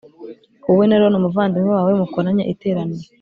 wowe na Aroni umuvandimwe wawe mukoranye iteraniro